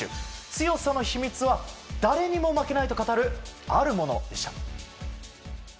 強さの秘密は誰にも負けないと語るあるものでした。